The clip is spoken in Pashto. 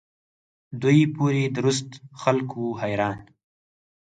دوی پوري درست خلق وو حیران.